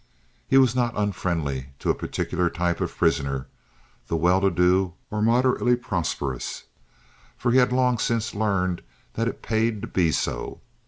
He was not unfriendly to a particular type of prisoner—the well to do or moderately prosperous—for he had long since learned that it paid to be so.